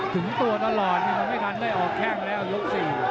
ถึงตัวตลอดมันไม่ทันได้ออกแข้งแล้วยก๔